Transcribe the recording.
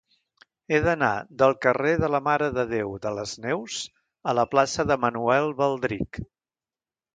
He d'anar del carrer de la Mare de Déu de les Neus a la plaça de Manuel Baldrich.